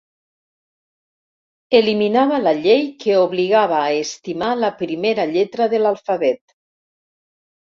Eliminava la llei que obligava a estimar la primera lletra de l'alfabet.